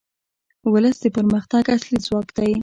ولس د پرمختګ اصلي ځواک دی.